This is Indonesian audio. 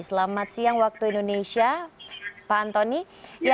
selamat siang waktu indonesia pak antoni